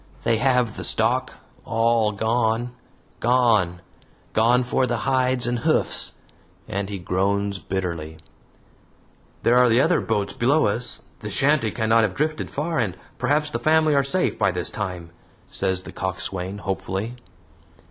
They have the stock all gone gone, gone for the hides and hoofs," and he groans bitterly. "There are other boats below us. The shanty cannot have drifted far, and perhaps the family are safe by this time," says the coxswain, hopefully.